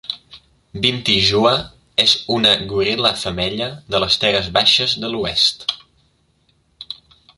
Binti Jua és una goril·la femella de les terres baixes de l'oest.